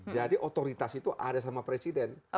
jadi otoritas itu ada sama presiden